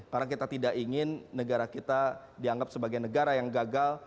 karena kita tidak ingin negara kita dianggap sebagai negara yang gagal